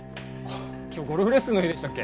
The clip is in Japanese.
今日ゴルフレッスンの日でしたっけ。